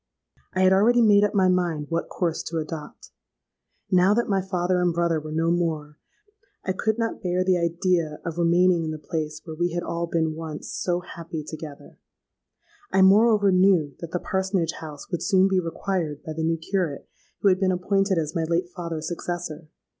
I had already made up my mind what course to adopt. Now that my father and brother were no more, I could not bear the idea of remaining in the place where we had all been once so happy together: I moreover knew that the parsonage house would soon be required by the new curate who had been appointed as my late father's successor.